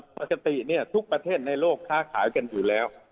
ปกติทุกประเทศในโลกค้าขายกันอยู่แล้ว